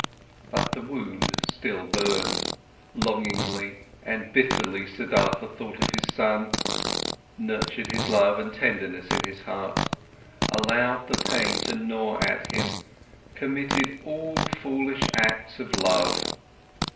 But the wound still burned, longingly and bitterly Siddhartha thought of his son, nurtured his love and tenderness in his heart, allowed the pain to gnaw at him, committed all foolish acts of love.